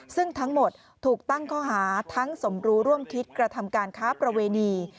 ซึ่งทั้งหมดถูกตั้งข้อหาทั้งสมรู้ร่วมคิดกระทำการค้าประเวณี